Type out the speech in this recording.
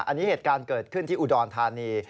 อันนี้เหตุการณ์เกิดขึ้นที่อุดรธานี